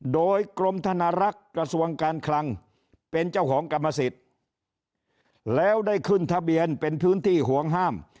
โดยกรมธนรักษ์กระทรวงการคลังเป็นเจ้าของกรรมสิทธิ์แล้วได้ขึ้นทะเบียนเป็นพื้นที่ห่วงห้าม